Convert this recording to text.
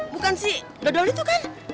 bukan sih dodol itu kan